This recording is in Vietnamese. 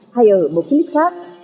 hay ở một clip khác